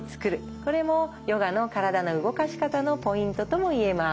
これもヨガの体の動かし方のポイントとも言えます。